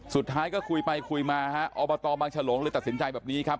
สุดท้ายก็คุยไปคุยมาฮะอบตบางฉลงเลยตัดสินใจแบบนี้ครับ